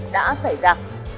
đã xảy ra